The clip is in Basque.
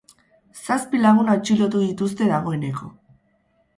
Zazpi lagun atxilotu dituzte dagoeneko.